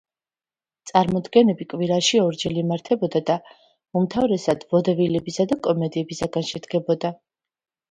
წარმოდგენები კვირაში ორჯერ იმართებოდა და უმთავრესად ვოდევილებისა და კომედიებისაგან შედგებოდა.